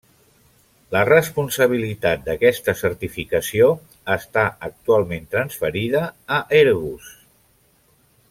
La responsabilitat d'aquesta certificació està actualment transferida a Airbus.